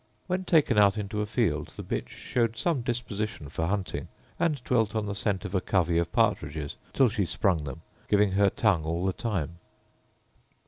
When taken out into a field the bitch showed some disposition for hunting, and dwelt on the scent of a covey of partridges till she sprung them, giving her tongue all the time.